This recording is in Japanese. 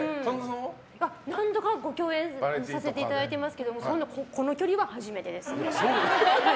何度かご共演をさせていただいていますがこの距離は初めてです。